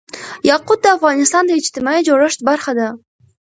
یاقوت د افغانستان د اجتماعي جوړښت برخه ده.